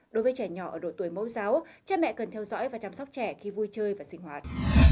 đối với trẻ nhỏ ở độ tuổi mẫu giáo cha mẹ cần theo dõi và chăm sóc trẻ khi vui chơi và sinh hoạt